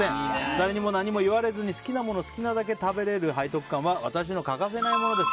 誰にも何も言われずに好きなものを好きなだけ食べられる背徳感は私の欠かせないものです。